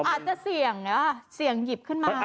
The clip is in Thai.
อาจจะเสี่ยงนะเสี่ยงหยิบขึ้นมา